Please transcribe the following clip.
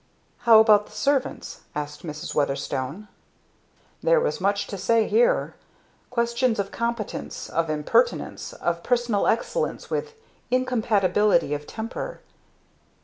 "How about the servants?" asked Mrs. Weatherstone. There was much to say here, questions of competence, of impertinence, of personal excellence with "incompatibility of temper."